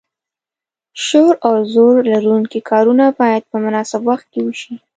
شور او زور لرونکي کارونه باید په مناسب وخت کې وشي.